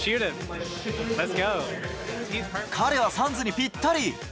彼はサンズにぴったり！